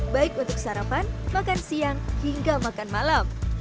baik untuk sarapan makan siang hingga makan malam